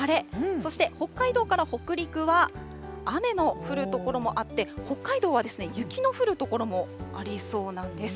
そして北海道から北陸は雨の降る所もあって、北海道は雪の降る所もありそうなんです。